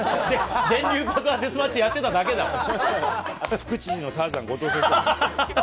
電流爆破デスマッチやってただけだろ。